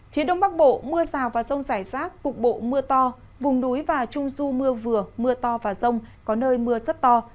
phía đông bắc bộ mưa xào và sông xảy rác cục bộ mưa to vùng đuối và trung du mưa vừa mưa to và rông có nơi mưa rất to